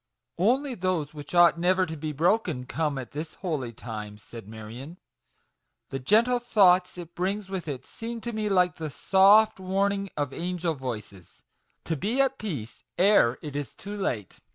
" Only those which ought never to be broken come at this holy time," said Marion ;" the MAGIC WORDS. 27 gentle thoughts it brings with it seem to me like the soft warning of angel voices, to be at peace ere it is too late